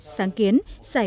sáng kiến giải thưởng